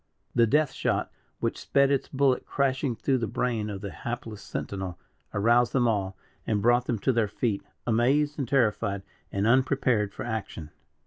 The death shot, which sped its bullet crashing through the brain of the hapless sentinel, aroused them all, and brought them to their feet, amazed and terrified, and unprepared for action.